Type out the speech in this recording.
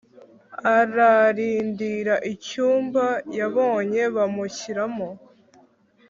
ararindira icyumba yabonye bamushyiramo